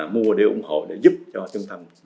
mua để ủng hộ để giúp cho trung tâm